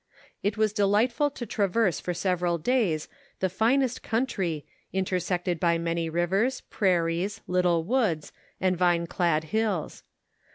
It was delightful to traverse for several days the finest country, intersected by many rivers, prairies, little woods, and vine clad hills.